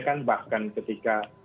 kan bahkan ketika